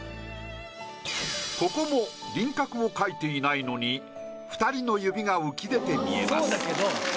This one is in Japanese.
ここも輪郭を描いていないのに２人の指が浮き出て見えます。